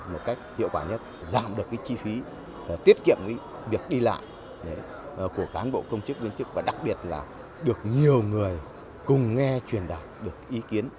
một cách hiệu quả nhất giảm được chi phí tiết kiệm việc đi lại của cán bộ công chức viên chức và đặc biệt là được nhiều người cùng nghe truyền đạt được ý kiến